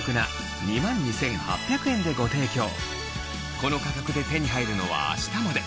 この価格で手に入るのは明日まで！